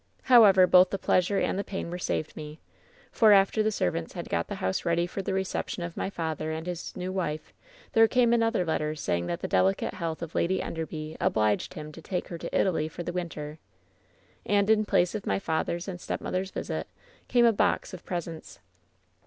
"However, both the pleasure and the pain were saved me, for after the servants had got the house ready for the reception of my father and his new wife, there came another letter saying that the delicate health of Lady 144 WHEN SHADOWS DIE Enderby obliged him to take her to Italy for the winter. And in place of my father and stepmother's visit, came a box of presents.